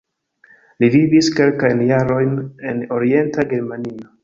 Li vivis kelkajn jarojn en Orienta Germanio.